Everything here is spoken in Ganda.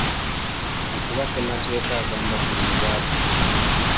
Mbu kuba Ssemateeka agamba kino mu lwatu